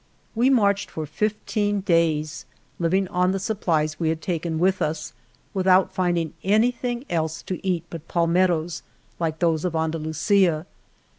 We marched for fifteen days, living on the sup plies we had taken with us, without finding anything else to eat but palmettos like those of Andalusia.